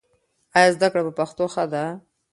ایا زده کړه په پښتو ښه ده؟